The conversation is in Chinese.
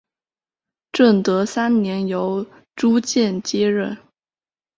正德三年由朱鉴接任。